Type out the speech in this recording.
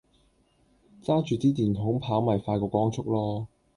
揸著枝電筒跑咪快過光速囉